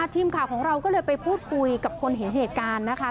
ทีมข่าวของเราก็เลยไปพูดคุยกับคนเห็นเหตุการณ์นะคะ